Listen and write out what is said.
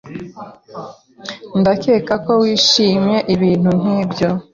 Ndakeka ko wishimiye ibintu nkibyo.